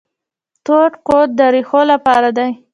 تور کود د ریښو لپاره دی.